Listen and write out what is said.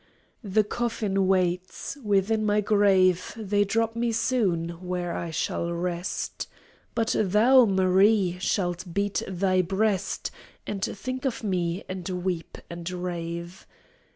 The coffin waits! within my grave They drop me soon, where I shall rest. But thou, Marie, shalt beat thy breast, And think of me, and weep and rave.